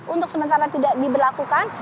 untuk sementara tidak diberlakukan